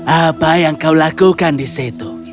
apa yang kau lakukan di situ